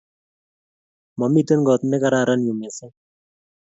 Mamiten koot negararan yu missing